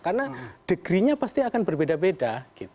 karena degrinya pasti akan berbeda beda